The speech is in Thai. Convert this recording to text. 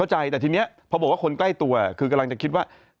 แต่ทีนี้พอบอกว่าคนใกล้ตัวคือกำลังจะคิดว่า